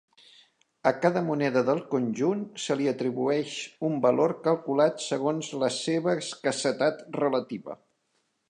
A cada moneda del conjunt se li atribueix un valor calculat segons la seva escassetat relativa.